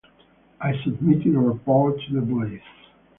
I submitted a report to the police.